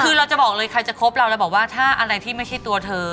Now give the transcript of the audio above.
คือเราจะบอกเลยใครจะคบเราแล้วบอกว่าถ้าอะไรที่ไม่ใช่ตัวเธอ